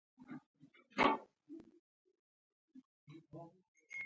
دا سیستم د ټولنې د هر غړي لپاره اسانتیا ده.